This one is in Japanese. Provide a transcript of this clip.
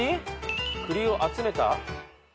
「栗を集めた」？